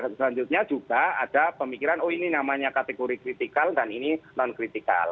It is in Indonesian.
selanjutnya juga ada pemikiran oh ini namanya kategori kritikal dan ini non kritikal